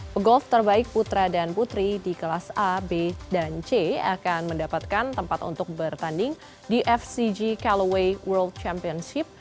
pegolf terbaik putra dan putri di kelas a b dan c akan mendapatkan tempat untuk bertanding di fcg caloway world championship